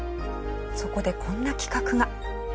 そこでこんな企画が。